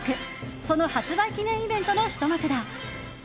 その発売記念イベントのひと幕だ。